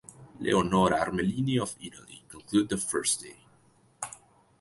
Leonora Armellini of Italy concluded the first day.